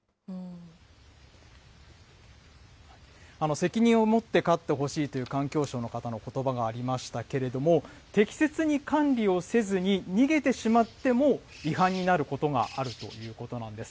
責任を持って飼ってほしいという環境省の方のことばがありましたけれども、適切に管理をせずに、逃げてしまっても、違反になることがあるということなんです。